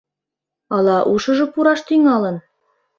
Ала ушыжо пураш тӱҥалын?